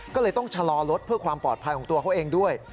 ก็เลยต้องชะลอรถเพื่อความปลอดภัยของตัวเขาเองด้วย